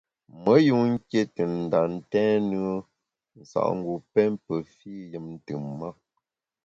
Me yun nké te nda ntèn nùe nsa’ngu pém pe fî yùm ntùm-ma.